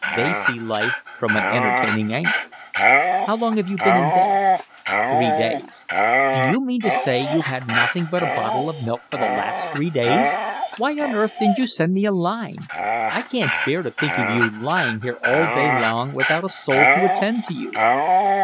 They see life from an entertaining angle." "How long have you been in bed?" "Three days." "D'you mean to say you've had nothing but a bottle of milk for the last three days? Why on earth didn't you send me a line? I can't bear to think of you lying here all day long without a soul to attend to you."